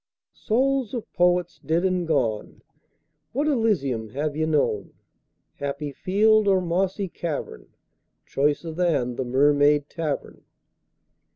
Souls of Poets dead and gone, What Elysium have ye known, Happy field or mossy cavern, Choicer than the Mermaid Tavern?